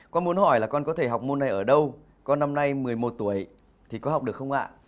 con muốn hỏi là con có thể học môn này ở đâu con năm nay một mươi một tuổi thì có học được không ạ